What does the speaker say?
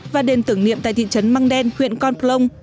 và đền tưởng niệm tại thị trấn măng đen huyện con plông